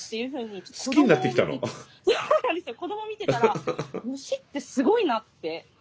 子ども見てたら虫ってすごいなって。